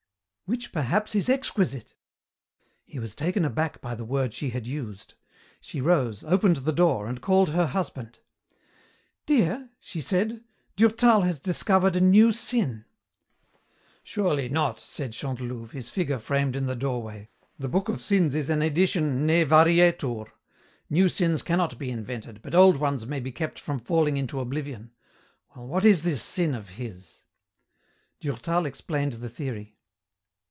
"Which, perhaps, is exquisite!" He was taken aback by the word she had used. She rose, opened the door, and called her husband. "Dear," she said, "Durtal has discovered a new sin!" "Surely not," said Chantelouve, his figure framed in the doorway. "The book of sins is an edition ne varietur. New sins cannot be invented, but old ones may be kept from falling into oblivion. Well, what is this sin of his?" Durtal explained the theory.